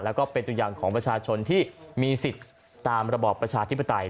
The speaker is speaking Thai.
แล้วก็เป็นตัวอย่างของประชาชนที่มีสิทธิ์ตามระบอบประชาธิปไตย